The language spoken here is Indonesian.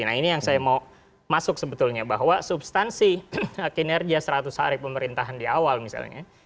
nah ini yang saya mau masuk sebetulnya bahwa substansi kinerja seratus hari pemerintahan di awal misalnya